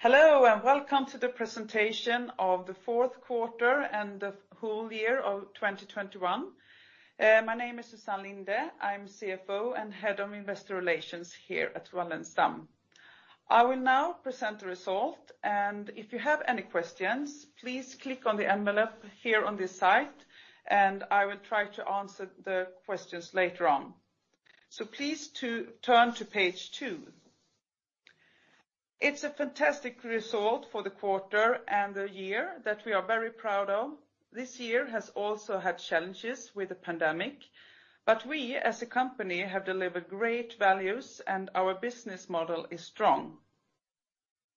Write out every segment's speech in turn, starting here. Hello, and Welcome to the Presentation of the Fourth Quarter and the Whole Year of 2021. My name is Susann Linde. I'm CFO and Head of Investor Relations here at Wallenstam. I will now present the result, and if you have any questions, please click on the envelope here on this site, and I will try to answer the questions later on. Please turn to page two. It's a fantastic result for the quarter and the year that we are very proud of. This year has also had challenges with the pandemic, but we as a company have delivered great values, and our business model is strong.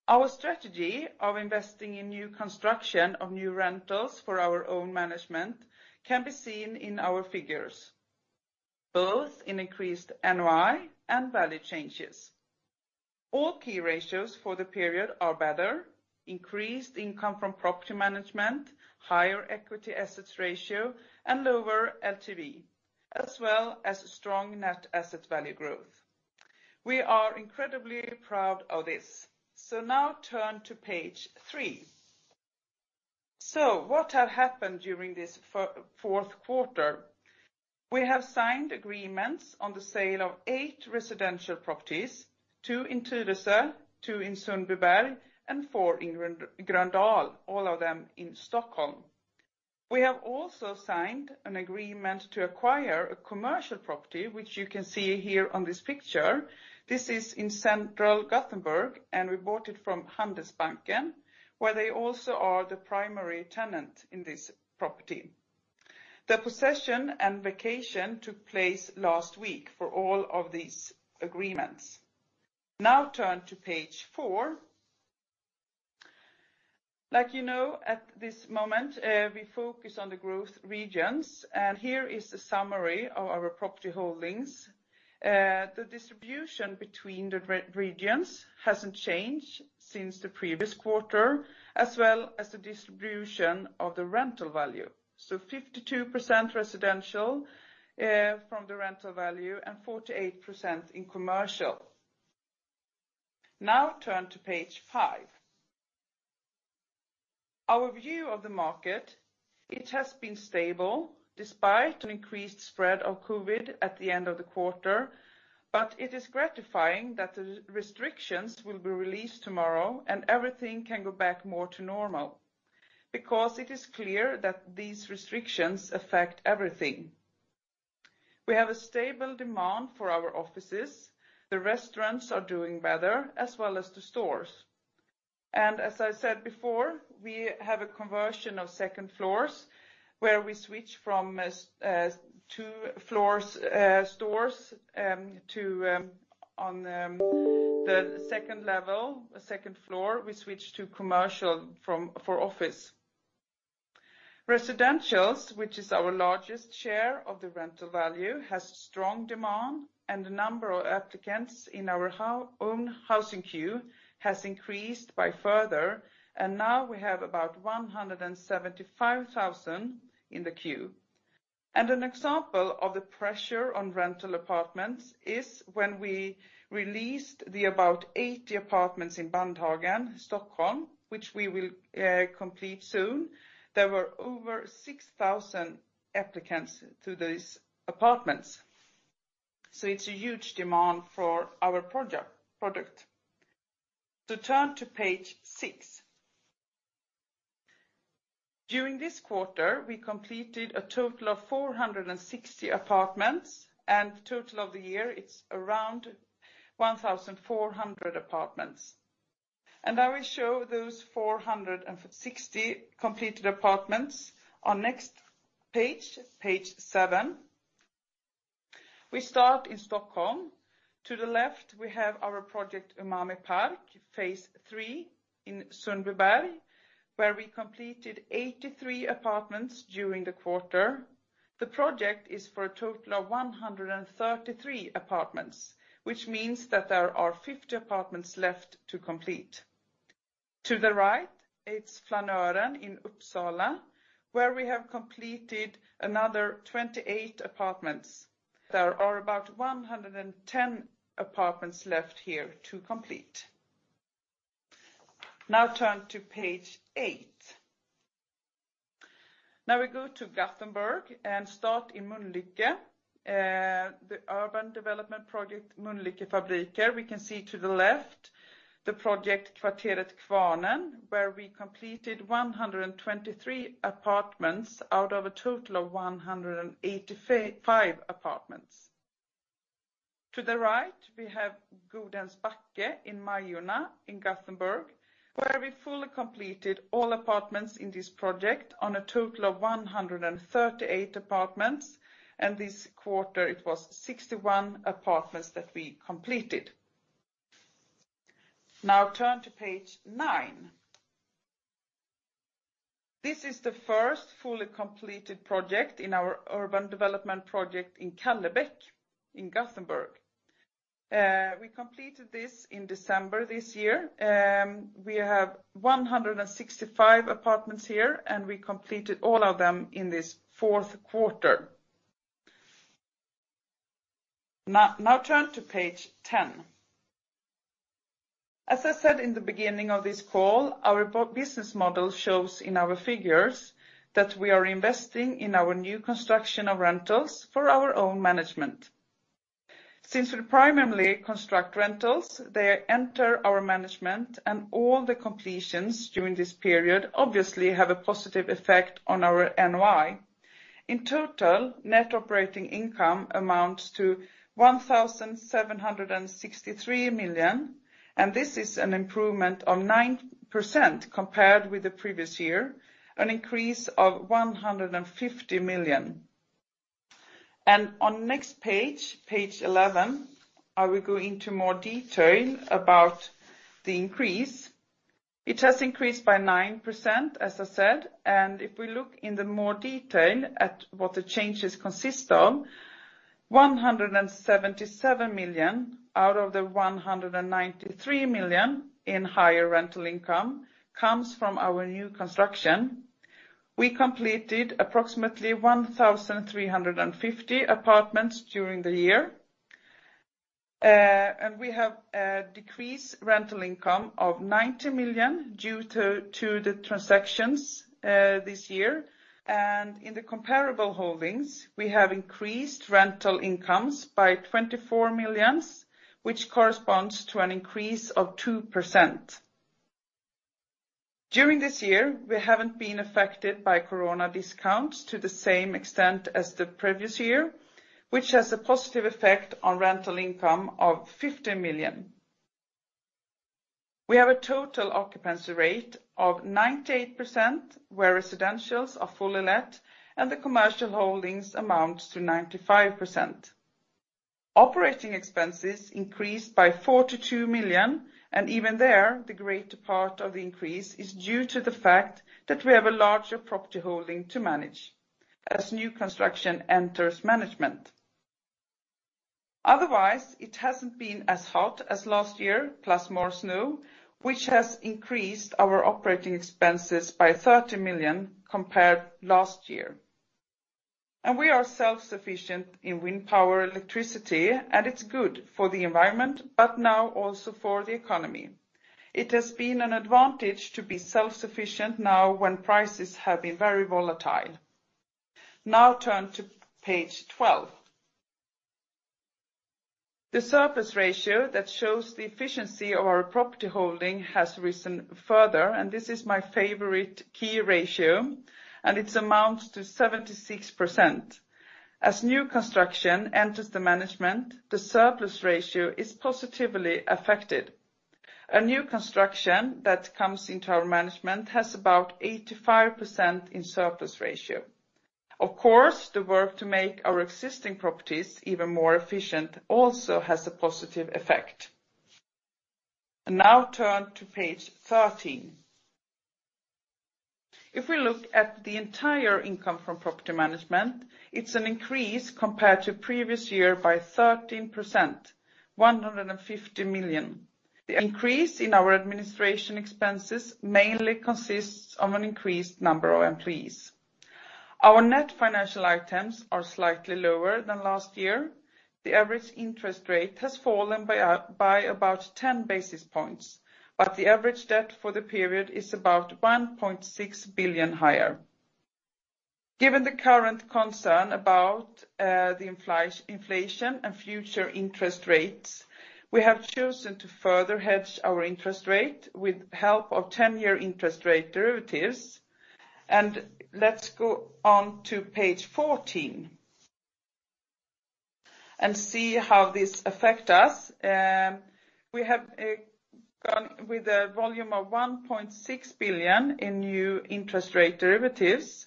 Our strategy of investing in new construction of new rentals for our own management can be seen in our figures, both in increased NOI and value changes. All key ratios for the period are better, increased income from property management, higher equity to asset ratio, and lower LTV, as well as strong Net Asset Value growth. We are incredibly proud of this. Now turn to page 3. What have happened during this fourth quarter? We have signed agreements on the sale of 8 residential properties, 2 in Tyresö, 2 in Sundbyberg, and 4 in Gröndal, all of them in Stockholm. We have also signed an agreement to acquire a commercial property, which you can see here on this picture. This is in central Gothenburg, and we bought it from Handelsbanken, where they also are the primary tenant in this property. The possession and vacation took place last week for all of these agreements. Now turn to page 4. Like you know, at this moment, we focus on the growth regions, and here is a summary of our property holdings. The distribution between the regions hasn't changed since the previous quarter, as well as the distribution of the rental value. 52% residential, from the rental value and 48% in commercial. Now turn to page five. Our view of the market, it has been stable despite an increased spread of COVID at the end of the quarter, but it is gratifying that the restrictions will be released tomorrow and everything can go back more to normal because it is clear that these restrictions affect everything. We have a stable demand for our offices. The restaurants are doing better, as well as the stores. As I said before, we have a conversion of second floors, where we switch from two floors stores to on the second level, second floor, we switch to commercial from for office. Residentials, which is our largest share of the rental value, has strong demand, and the number of applicants in our own housing queue has increased by further, and now we have about 175,000 in the queue. An example of the pressure on rental apartments is when we released about 80 apartments in Bandhagen, Stockholm, which we will complete soon. There were over 6,000 applicants to these apartments, so it's a huge demand for our product. Turn to page six. During this quarter, we completed a total of 460 apartments, and a total for the year, it's around 1,400 apartments. I will show those 460 completed apartments on next page 7. We start in Stockholm. To the left, we have our project Umami Park, phase three in Sundbyberg, where we completed 83 apartments during the quarter. The project is for a total of 133 apartments, which means that there are 50 apartments left to complete. To the right, it's Flanören in Uppsala, where we have completed another 28 apartments. There are about 110 apartments left here to complete. Now turn to page 8. Now we go to Gothenburg and start in Mölnlycke, the urban development project Mölnlycke Fabriker. We can see to the left the project Kvarteret Kvarnen, where we completed 123 apartments out of a total of 185 apartments. To the right, we have Godhems Backe in Majorna in Gothenburg, where we fully completed all apartments in this project on a total of 138 apartments, and this quarter it was 61 apartments that we completed. Now turn to page 9. This is the first fully completed project in our urban development project in Kallebäck in Gothenburg. We completed this in December this year. We have 165 apartments here, and we completed all of them in this fourth quarter. Now turn to page 10. As I said in the beginning of this call, our business model shows in our figures that we are investing in our new construction of rentals for our own management. Since we primarily construct rentals, they enter our management, and all the completions during this period obviously have a positive effect on our NOI. In total, net operating income amounts to 1,763 million, and this is an improvement of 9% compared with the previous year, an increase of 150 million. On next page eleven, I will go into more detail about the increase. It has increased by 9%, as I said, and if we look in more detail at what the changes consist of, 177 million out of the 193 million in higher rental income comes from our new construction. We completed approximately 1,350 apartments during the year. We have a decreased rental income of 90 million due to the transactions this year. In the comparable holdings, we have increased rental incomes by 24 million, which corresponds to an increase of 2%. During this year, we haven't been affected by Corona discounts to the same extent as the previous year, which has a positive effect on rental income of 50 million. We have a total occupancy rate of 98%, where residentials are fully let and the commercial holdings amounts to 95%. Operating expenses increased by 42 million, and even there, the greater part of the increase is due to the fact that we have a larger property holding to manage as new construction enters management. Otherwise, it hasn't been as hot as last year, plus more snow, which has increased our operating expenses by 30 million compared last year. We are self-sufficient in wind power electricity, and it's good for the environment, but now also for the economy. It has been an advantage to be self-sufficient now when prices have been very volatile. Now turn to page 12. The Surplus Ratio that shows the efficiency of our property holding has risen further, and this is my favorite key ratio, and it amounts to 76%. As new construction enters the management, the Surplus Ratio is positively affected. A new construction that comes into our management has about 85% in Surplus Ratio. Of course, the work to make our existing properties even more efficient also has a positive effect. Now turn to page 13. If we look at the entire income from property management, it's an increase compared to previous year by 13%, 150 million. The increase in our administration expenses mainly consists of an increased number of employees. Our net financial items are slightly lower than last year. The average interest rate has fallen by about 10 basis points, but the average debt for the period is about 1.6 billion higher. Given the current concern about the inflation and future interest rates, we have chosen to further hedge our interest rate with help of ten-year interest rate derivatives. Let's go on to page 14 and see how this affect us. We have gone with a volume of 1.6 billion in new interest rate derivatives,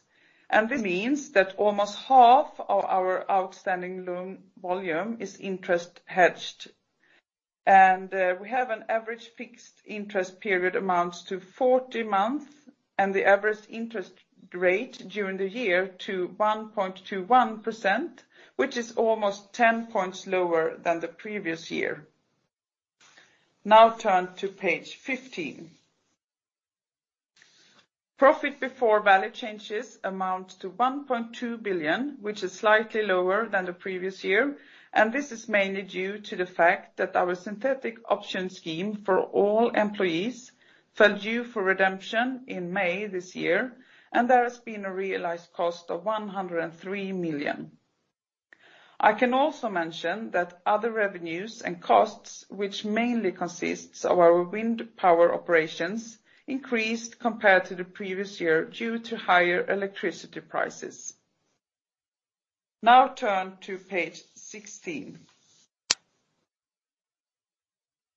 and this means that almost half of our outstanding loan volume is interest hedged. We have an average fixed interest period amounts to 40 months, and the average interest rate during the year to 1.21%, which is almost 10 points lower than the previous year. Now turn to page 15. Profit before value changes amount to 1.2 billion, which is slightly lower than the previous year. This is mainly due to the fact that our synthetic option scheme for all employees fell due for redemption in May this year, and there has been a realized cost of 103 million. I can also mention that other revenues and costs, which mainly consists of our wind power operations, increased compared to the previous year due to higher electricity prices. Now turn to page 16.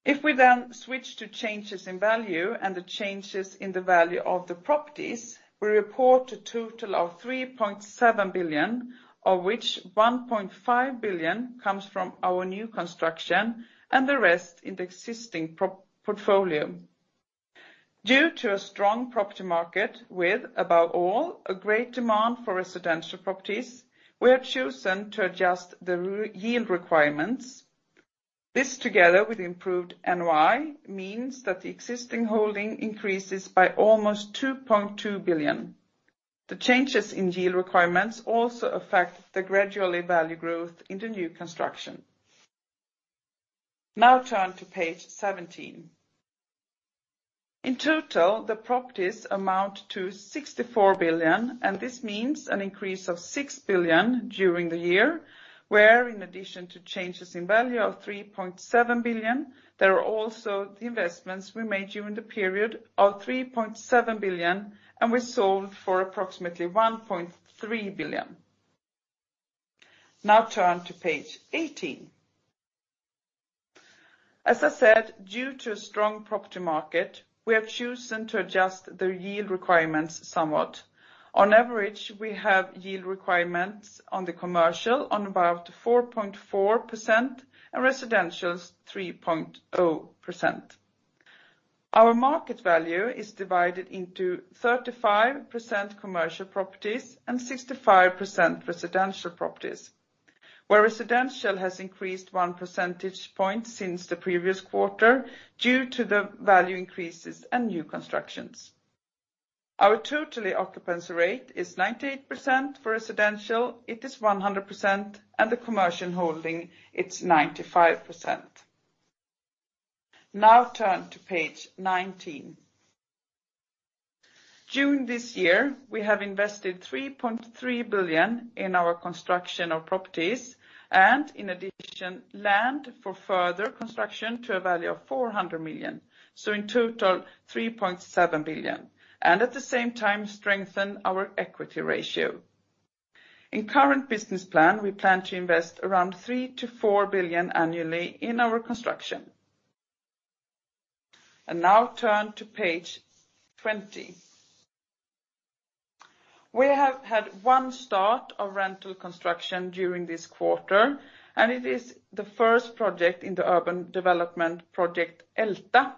If we switch to changes in value and the changes in the value of the properties, we report a total of 3.7 billion, of which 1.5 billion comes from our new construction and the rest in the existing portfolio. Due to a strong property market with, above all, a great demand for residential properties, we have chosen to adjust the yield requirements. This together with improved NOI means that the existing holding increases by almost 2.2 billion. The changes in yield requirements also affect the gradual value growth in the new construction. Now turn to page seventeen. In total, the properties amount to 64 billion, and this means an increase of 6 billion during the year, where in addition to changes in value of 3.7 billion, there are also the investments we made during the period of 3.7 billion, and we sold for approximately 1.3 billion. Now turn to page 18. As I said, due to a strong property market, we have chosen to adjust the Yield Requirements somewhat. On average, we have Yield Requirements on the commercial about 4.4% and residential 3.0%. Our market value is divided into 35% commercial properties and 65% residential properties, where residential has increased 1 percentage point since the previous quarter due to the value increases and new constructions. Our total occupancy rate is 98%. For residential, it is 100%, and the commercial holding, it's 95%. Now turn to page 19. June this year, we have invested 3.3 billion in our construction of properties, and in addition, land for further construction to a value of 400 million. In total, 3.7 billion, and at the same time strengthen our equity ratio. In current business plan, we plan to invest around 3-4 billion annually in our construction. Now turn to page 20. We have had 1 start of rental construction during this quarter, and it is the first project in the urban development project, Älta.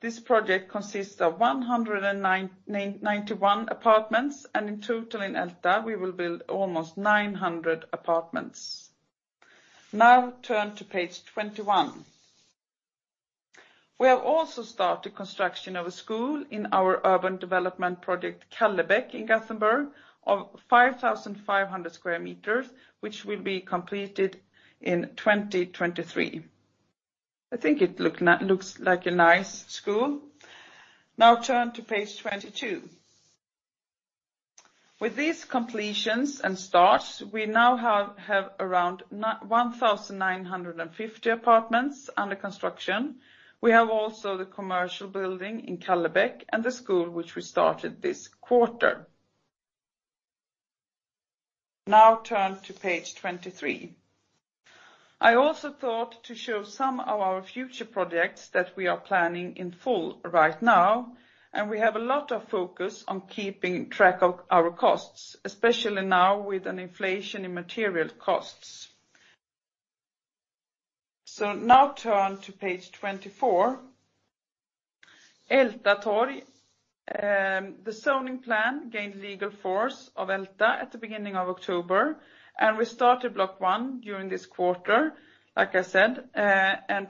This project consists of 191 apartments, and in total in Älta, we will build almost 900 apartments. Now turn to page 21. We have also started construction of a school in our urban development project, Kallebäck, in Gothenburg, of 5,500 sq m, which will be completed in 2023. I think it looks like a nice school. Now turn to page 22. With these completions and starts, we now have around 1,950 apartments under construction. We have also the commercial building in Kallebäck, and the school which we started this quarter. Now turn to page 23. I also thought to show some of our future projects that we are planning in full right now, and we have a lot of focus on keeping track of our costs, especially now with an inflation in material costs. Now turn to page 24. Ältatorg, the zoning plan gained legal force of Älta at the beginning of October, and we started block 1 during this quarter, like I said.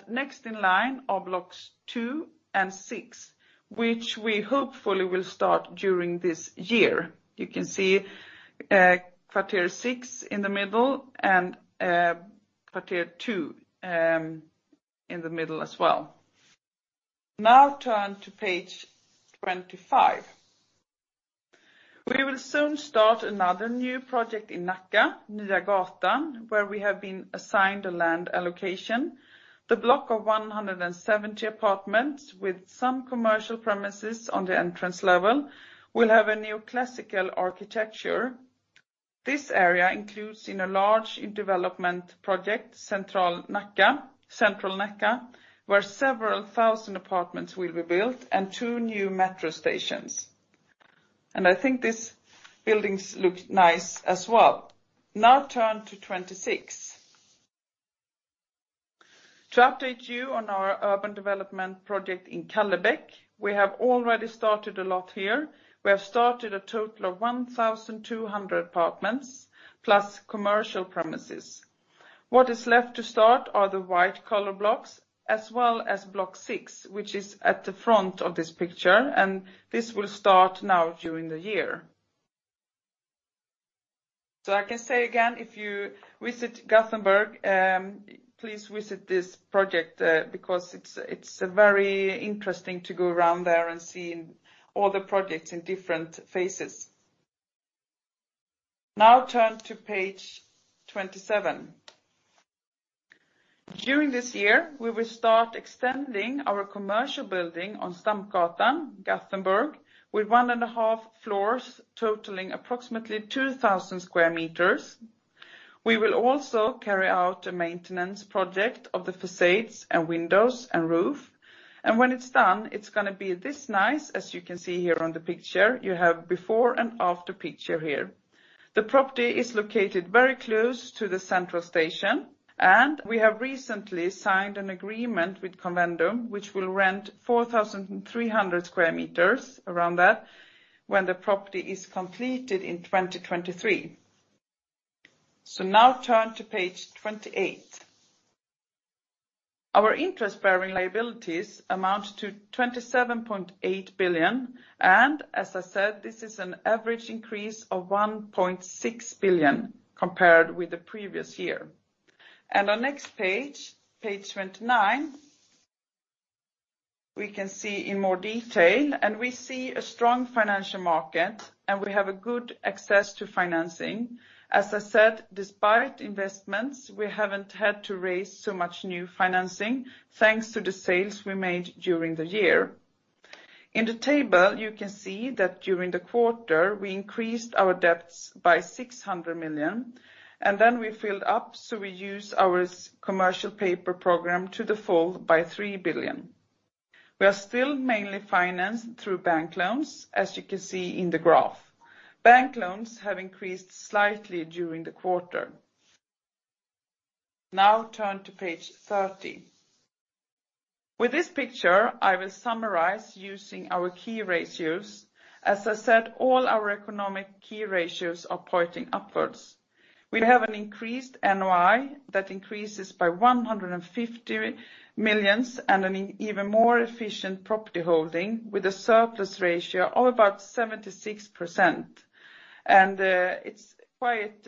Next in line are blocks 2 and 6, which we hopefully will start during this year. You can see block 6 in the middle and block 2 in the middle as well. Now turn to page 25. We will soon start another new project in Nacka, Nya Gatan, where we have been assigned a land allocation. The block of 170 apartments with some commercial premises on the entrance level will have a new classical architecture. This area includes in a large development project, Central Nacka, where several thousand apartments will be built and two new metro stations. I think these buildings look nice as well. Now turn to 26. To update you on our urban development project in Kallebäck, we have already started a lot here. We have started a total of 1,200 apartments plus commercial premises. What is left to start are the white color blocks, as well as block six, which is at the front of this picture, and this will start now during the year. I can say again, if you visit Gothenburg, please visit this project, because it's very interesting to go around there and see all the projects in different phases. Now turn to page 27. During this year, we will start extending our commercial building on Stampgatan, Gothenburg, with one and a half floors totaling approximately 2,000 sq m. We will also carry out a maintenance project of the facades and windows and roof. When it's done, it's gonna be this nice as you can see here on the picture. You have before and after picture here. The property is located very close to the Central Station, and we have recently signed an agreement with Convendum, which will rent 4,300 sq m, around that, when the property is completed in 2023. Now turn to page 28. Our interest-bearing liabilities amount to 27.8 billion, and as I said, this is an average increase of 1.6 billion compared with the previous year. On next page 29, we can see in more detail, and we see a strong financial market, and we have a good access to financing. As I said, despite investments, we haven't had to raise so much new financing, thanks to the sales we made during the year. In the table, you can see that during the quarter, we increased our debts by 600 million, and then we filled up, so we used our Commercial Paper Program to the full by 3 billion. We are still mainly financed through bank loans, as you can see in the graph. Bank loans have increased slightly during the quarter. Now turn to page 30. With this picture, I will summarize using our key ratios. As I said, all our economic key ratios are pointing upwards. We have an increased NOI that increases by 150 million and an even more efficient property holding with a Surplus Ratio of about 76%. It's quite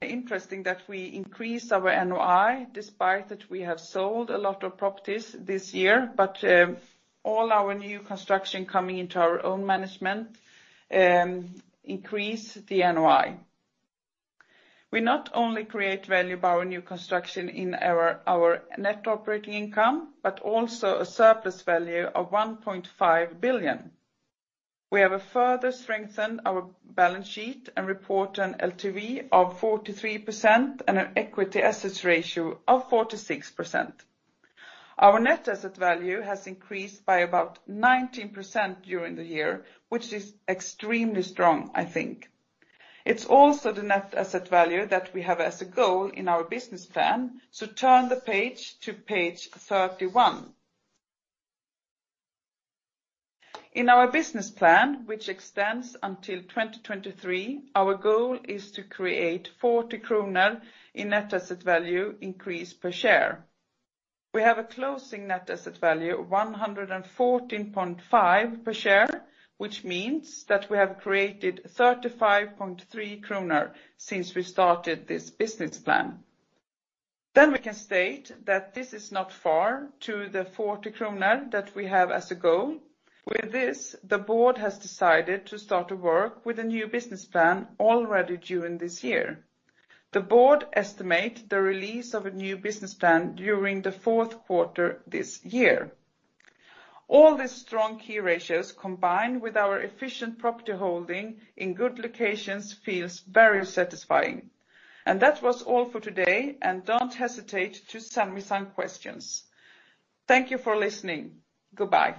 interesting that we increase our NOI despite that we have sold a lot of properties this year, but all our new construction coming into our own management increase the NOI. We not only create value by our new construction in our net operating income, but also a surplus value of 1.5 billion. We have further strengthened our balance sheet and report an LTV of 43% and an equity-to-asset ratio of 46%. Our net asset value has increased by about 19% during the year, which is extremely strong, I think. It's also the net asset value that we have as a goal in our business plan. Turn the page to page 31. In our business plan, which extends until 2023, our goal is to create 40 kronor in net asset value increase per share. We have a closing Net Asset Value of 114.5 per share, which means that we have created 35.3 kronor since we started this business plan. We can state that this is not far to the 40 kronor that we have as a goal. With this, the board has decided to start to work with a new business plan already during this year. The board estimate the release of a new business plan during the fourth quarter this year. All these strong key ratios, combined with our efficient property holding in good locations, feels very satisfying. That was all for today, and don't hesitate to send me some questions. Thank you for listening. Goodbye.